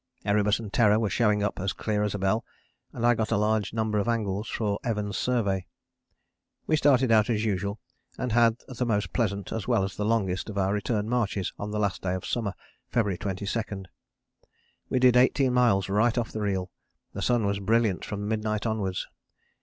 Erebus and Terror were showing up as clear as a bell and I got a large number of angles for Evans' survey. We started out as usual, and had the most pleasant, as well as the longest, of our return marches on the last day of summer, February 22. We did eighteen miles right off the reel, the sun was brilliant from midnight onwards.